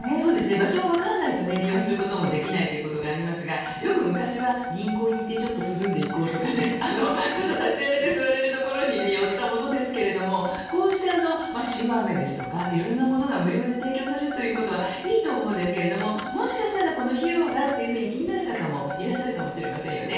場所をわからないと利用することもできないということがありますがよく昔は銀行に行ってちょっと涼んでいこうとかちょっと立ち寄れて座れるところに寄ったものですがこうして塩アメですとか色々なものが無料で提供されることはいいと思いますがもしかしたら、費用がと気になる方もいらっしゃるかもしれませんよね